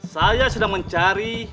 saya sedang mencari